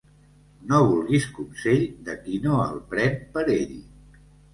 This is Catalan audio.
No vulguis consell de qui no el pren per ell.